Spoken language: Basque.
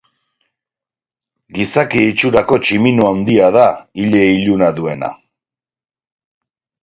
Gizaki itxurako tximino handia da, ile-iluna duena.